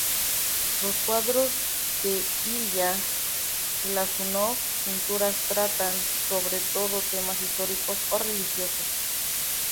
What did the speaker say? Los cuadros de Ilya Glazunov pinturas tratan sobre todo temas históricos o religiosos.